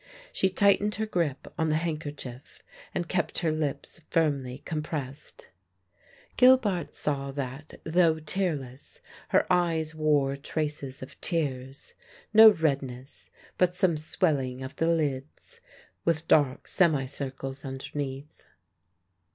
She tightened her grip on the handkerchief and kept her lips firmly compressed. Gilbart saw that, though tearless, her eyes wore traces of tears no redness, but some swelling of the lids, with dark semicircles underneath.